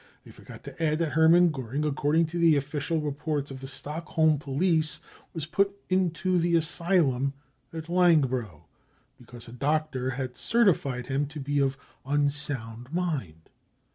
They forget to add that Hermann Goering, according to the official reports of the Stockholm police, was put into the asylum at Laligbro, because a doctor had certified him to be of unsound mind.